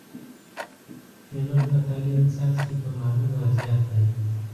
فینول – فتالین څاڅکي په محلول ور زیات کړئ.